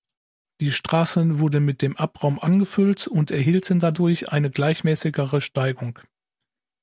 Die Straßen wurden mit dem Abraum angefüllt und erhielten dadurch eine gleichmäßigere Steigung.